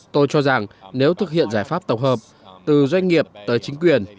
tôi cho rằng nếu thực hiện giải pháp tổng hợp từ doanh nghiệp tới chính quyền